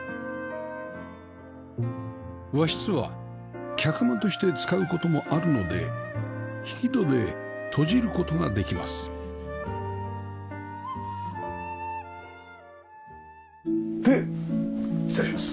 和室は客間として使う事もあるので引き戸で閉じる事ができますで失礼します。